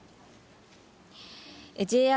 ＪＲ